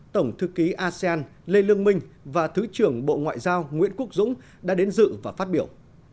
tổng thư ký asean lê lương minh và thứ trưởng bộ ngoại giao nguyễn quốc dũng đã đến dự và phát biểu